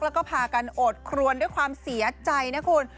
แล้วก็พากันโอดครวนด้วยความเสียใจนะคุณ